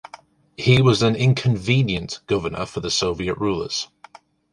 He was an inconvenient governor for the Soviet rulers.